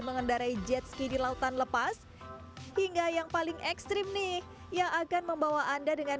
mengendarai jet ski di lautan lepas hingga yang paling ekstrim nih yang akan membawa anda dengan